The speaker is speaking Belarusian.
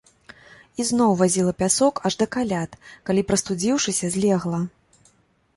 І зноў вазіла пясок аж да каляд, калі, прастудзіўшыся, злегла.